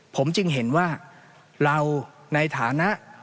ผมจึงเห็นว่าเราในฐานะ